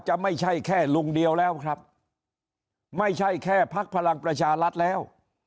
ไม่ใช่แค่ลุงเดียวแล้วครับไม่ใช่แค่พักพลังประชารัฐแล้ว